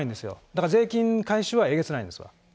だから税金回収はえげつないんですわ。